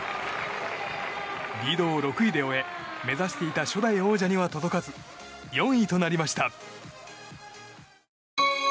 リードを６位で終え目指していた初代王者には届かず、４位となりました。